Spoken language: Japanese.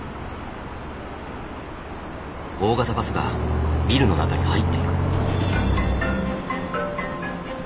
大型バスがビルの中に入っていく。